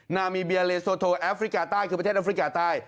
นามีเบียเลโซโทแอฟริกาใต้คือประเทศแอฟริกาใต้